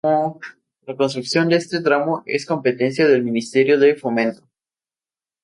La construcción de este tramo es competencia del Ministerio de Fomento.